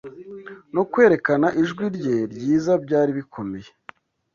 No kwerekana ijwi rye ryiza byari bikomeye